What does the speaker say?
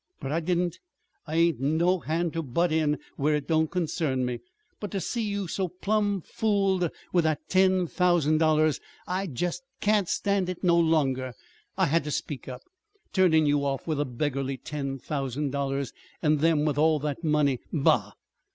But I didn't. I ain't no hand ter butt in where it don't concern me. But ter see you so plumb fooled with that ten thousand dollars I jest can't stand it no longer. I had ter speak up. Turnin' you off with a beggarly ten thousand dollars and them with all that money! Bah!"